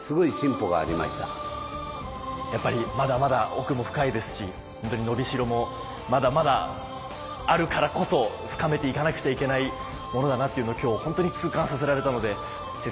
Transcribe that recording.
やっぱりまだまだ奥も深いですしほんとに伸びしろもまだまだあるからこそ深めていかなくちゃいけないものだなというのを今日本当に痛感させられたので先生